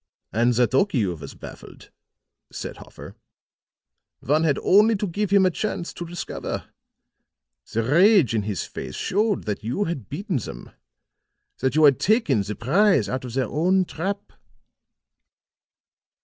"And that Okiu was baffled," said Hoffer, "one had only to give him a glance to discover. The rage in his face showed that you had beaten them that you had taken the prize out of their own trap."